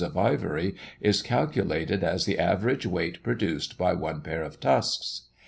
of ivory is calculated as the average weight produced by one pair of tusks.